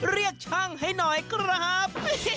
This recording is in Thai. เรียกช่างให้หน่อยครับ